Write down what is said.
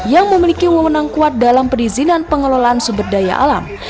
yang memiliki memenang kuat dalam perizinan pengelolaan sumber daya alam